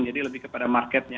jadi lebih kepada market nya